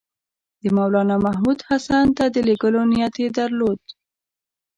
د مولنامحمود حسن ته د لېږلو نیت یې درلود.